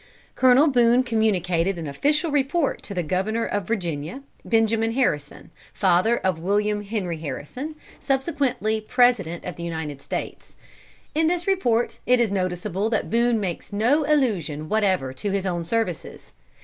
Colonel Boone communicated an official report to the Governor of Virginia, Benjamin Harrison, father of William Henry Harrison, subsequently President of the United States. In this report, it is noticeable that Boone makes no allusion whatever to his own services.